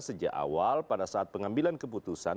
sejak awal pada saat pengambilan keputusan